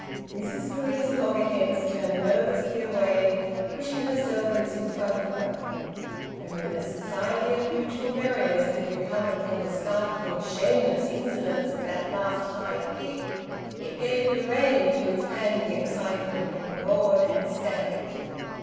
Mrs Louisa Loggerheads turned nervously away, pushing her servants in front of her. And when the society of mutual buriers had recovered from the startling shameless insolence of that last high kick, it gave the rein to its panting excitement, and roared and stamped.